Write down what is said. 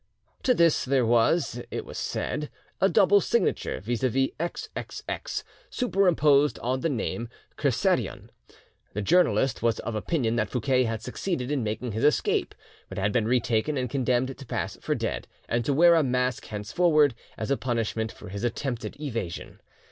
To this there was, it was said, a double signature, viz. "XXX," superimposed on the name "Kersadion." The journalist was of opinion that Fouquet had succeeded in making his escape, but had been retaken and condemned to pass for dead, and to wear a mask henceforward, as a punishment for his attempted evasion.